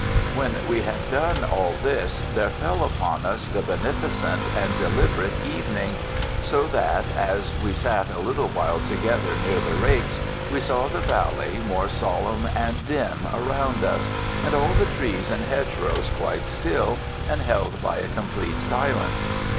When we had done all this, there fell upon us the beneficent and deliberate evening; so that as we sat a little while together near the rakes, we saw the valley more solemn and dim around us, and all the trees and hedgerows quite still, and held by a complete silence.